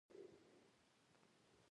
رښتیا امانت او درواغ خیانت دئ.